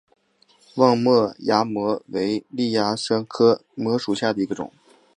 望谟崖摩为楝科崖摩属下的一个种。